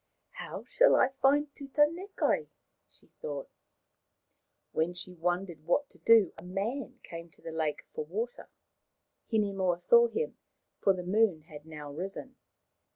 " How shall I find Tutanekai ?" she thought. While she wondered what to do a man came to the lake for water. Hinemoa saw him, for the moon had now risen.